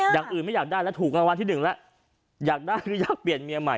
อย่างอื่นไม่อยากได้แล้วถูกรางวัลที่หนึ่งแล้วอยากได้คืออยากเปลี่ยนเมียใหม่